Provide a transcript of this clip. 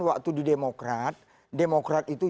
waktu di demokrat demokrat itu